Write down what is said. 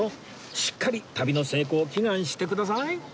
しっかり旅の成功を祈願してください